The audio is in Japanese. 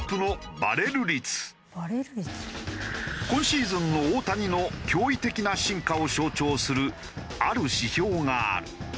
今シーズンの大谷の驚異的な進化を象徴するある指標がある。